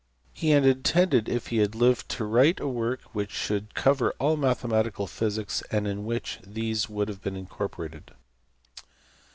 He had intended if he had lived to write a work which should cover all mathematical physics and in which these would have been incorporated.